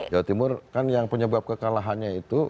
jawa timur kan yang penyebab kekalahannya itu